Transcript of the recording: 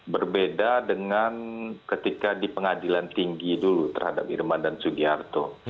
berbeda dengan ketika di pengadilan tinggi dulu terhadap irman dan sugiharto